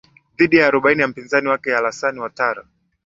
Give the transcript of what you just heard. dhidi ya arobaini ya mpinzani wake alasan watara